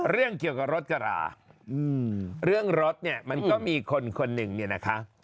เรื่องเกี่ยวกับรถกระหลาเรื่องรถเนี่ยมันก็มีคนคนหนึ่งเนี่ยนะคะ